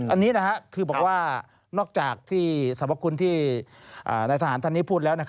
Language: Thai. อันนี้คือบอกว่านอกจากที่สรรพคุณที่นายทหารท่านนี้พูดแล้ว